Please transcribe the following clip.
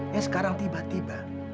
ya sekarang tiba tiba